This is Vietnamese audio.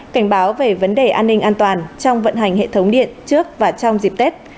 cảnh báo về vấn đề an ninh an toàn trong vận hành hệ thống điện trước và trong dịp tết